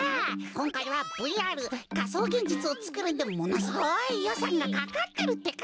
こんかいはＶＲかそうげんじつをつくるんでものすごいよさんがかかってるってか。